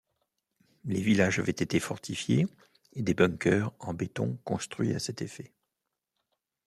Les villages avaient été fortifiées et des bunkers en béton construits à cet effet.